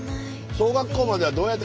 小学校まではどうやって通ってたの？